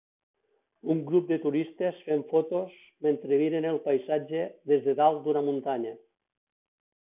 Un grup de turistes fent fotos mentre miren el paisatge des de dalt d'una muntanya.